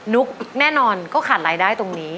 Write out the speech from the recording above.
ุ๊กแน่นอนก็ขาดรายได้ตรงนี้